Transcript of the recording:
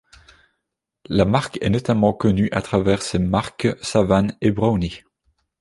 La marque est notamment connue à travers ses marques Savane et Brownie.